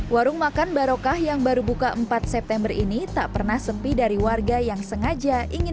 warung makan barokah yang baru buka empat september ini tak pernah sepi dari warga yang sengaja ingin